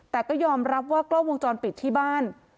แต่ก็ยอมรับว่ากล้องวงจรปิดที่บ้าน